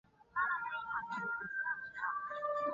今年总决赛再度于台北小巨蛋举行。